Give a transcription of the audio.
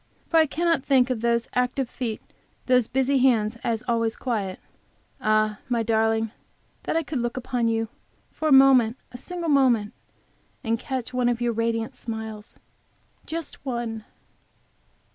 For I cannot think of those active feet, those busy hands as always quiet. Ah, my darling, that I could look in upon you for a moment, a single moment, and catch one of your radiant smiles; just one!